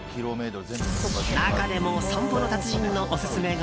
中でも散歩の達人のオススメが。